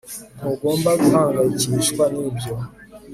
ntugomba guhangayikishwa nibyo